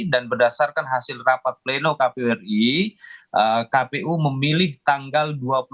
dan berdasarkan hasil rapat pleno kpu ri kpu memilih tanggal dua puluh empat